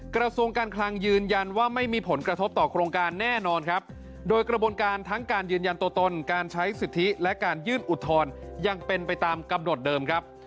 กระทรวงการคลังยืนยันว่าไม่มีผลกระทบต่อโครงการแน่นอนครับโดยกระบวนการทั้งการยืนยันตัวตนการใช้สิทธิและการยื่นอุทธรณ์ยังเป็นไปตามกำหนดเดิมครับ